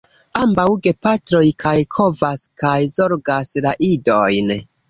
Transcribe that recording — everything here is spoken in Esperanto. Ambaŭ gepatroj kaj kovas kaj zorgas la idojn.